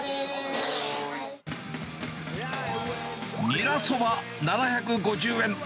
ニラそば７５０円。